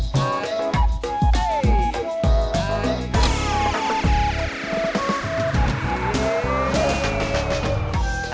poin aman juga